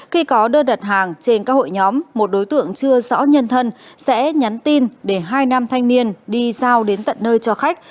khi có đơn đặt hàng trên các hội nhóm một đối tượng chưa rõ nhân thân sẽ nhắn tin để hai nam thanh niên đi giao đến tận nơi cho khách